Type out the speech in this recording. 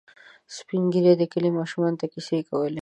سپين ږیري د کلي ماشومانو ته کیسې کولې.